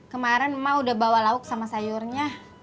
kemarin emak udah bawa lauk sama sayurnya